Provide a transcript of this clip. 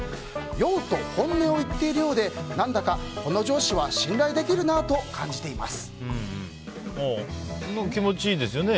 酔うと本音を言っているようで何だかこの上司は信頼できるなと気持ちいいですよね。